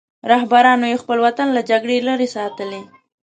رهبرانو یې خپل وطن له جګړې لرې ساتلی.